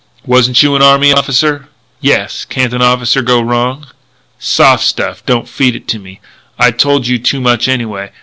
"Wasn't you an army officer?" "Yes. Can't an officer go wrong?" "Soft stuff. Don't feed it to me. I told you too much anyway.